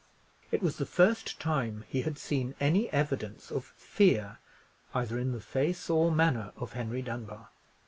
It was the first time he had seen any evidence of fear either in the face or manner of Henry Dunbar.